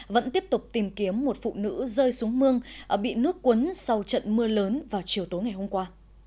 vẫn tiếp tục tìm kiếm một phụ nữ rơi xuống mương bị nước cuốn sau trận mưa lớn vào chiều tối ngày hôm qua